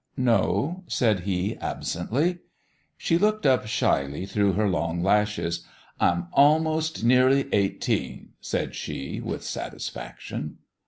"No?" said he, absently. She looked up shyly through her long lashes. 30 PICK AND SHOYEL " I'm almost nearly eighteen," said she, with satisfaction.